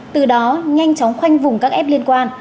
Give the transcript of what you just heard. từ đó nhanh chóng khoanh vùng các f liên quan